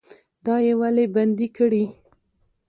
دا یې ولې بندي کړي؟